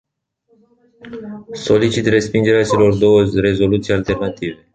Solicit respingerea celor două rezoluții alternative.